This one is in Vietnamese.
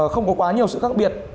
không có quá nhiều sự khác biệt